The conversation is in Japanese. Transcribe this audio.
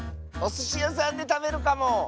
おすしやさんでたべるかも！